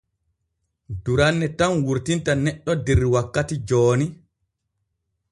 Duranne tan wurtinta neɗɗo der wakkati jooni.